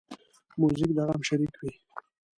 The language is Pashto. موزیک د غم شریک وي.